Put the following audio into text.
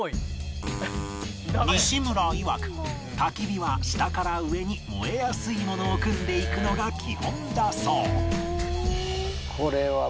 西村いわく焚き火は下から上に燃えやすいものを組んでいくのが基本だそう